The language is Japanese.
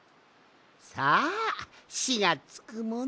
さあ「し」がつくもの